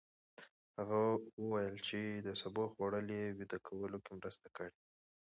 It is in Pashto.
هغه وویل چې د سبو خوړل يې ویده کولو کې مرسته کړې.